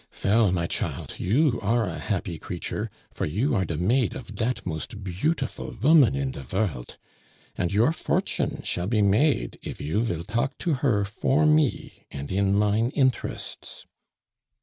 "Vell, my chilt, you are a happy creature, for you are de maid of dat most beautiful voman in de vorlt. And your fortune shall be made if you vill talk to her for me and in mine interests."